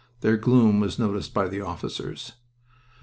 Their gloom was noticed by the officers.